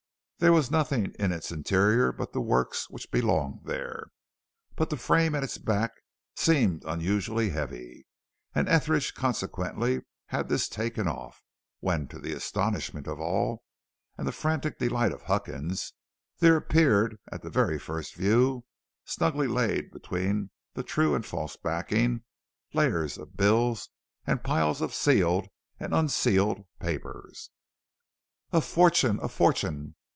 There was nothing in its interior but the works which belonged there, but the frame at its back seemed unusually heavy, and Etheridge consequently had this taken off, when, to the astonishment of all and to the frantic delight of Huckins, there appeared at the very first view, snugly laid between the true and false backing, layers of bills and piles of sealed and unsealed papers. "A fortune! A fortune!"